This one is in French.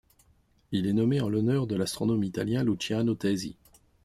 Il est nommé en l'honneur de l'astronome italien Luciano Tesi.